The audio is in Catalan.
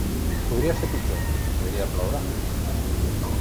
Podria ser pitjor: podria ploure.